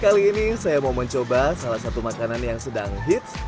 kali ini saya mau mencoba salah satu makanan yang sedang hits